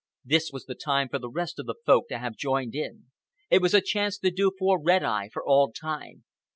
This was the time for the rest of the Folk to have joined in. It was the chance to do for Red Eye for all time.